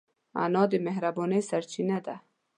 انا د مهربانۍ سرچینه ده